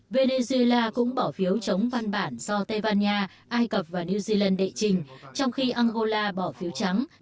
venezuela cũng bỏ phiếu chống văn bản do tây ban nha ai cập và new zealand đệ trình trong khi angola bỏ phiếu trắng